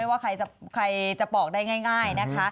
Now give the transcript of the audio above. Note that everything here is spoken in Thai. ว่าใครจะบอกได้ง่ายนะคะ